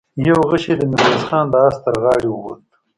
يو غشۍ د ميرويس خان د آس تر غاړې ووت.